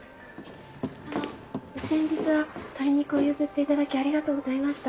あの先日は鶏肉を譲っていただきありがとうございました。